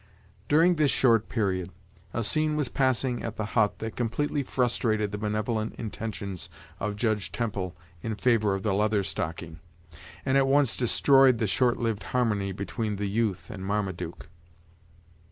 During this short period, a scene was passing at the hut that completely frustrated the benevolent intentions of Judge Temple in favor of the Leather Stocking, and at once destroyed the short lived harmony between the youth and Marmaduke.